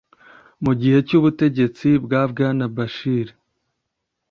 mu gihe cy’ubutegetsi bwa bwana bashir